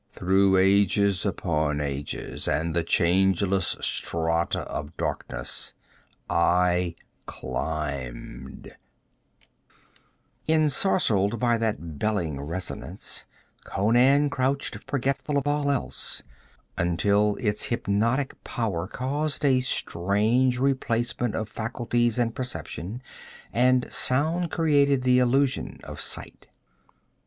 Through ages upon ages, and the changeless strata of darkness I climbed ' Ensorcelled by that belling resonance, Conan crouched forgetful of all else, until its hypnotic power caused a strange replacement of faculties and perception, and sound created the illusion of sight.